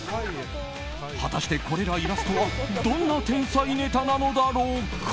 はたして、これらイラストはどんな天才ネタなのだろうか？